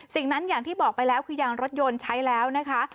สิ่งนั้นอย่างที่บอกไปแล้วคือยางรถยนต์ใช้แล้วนะคะ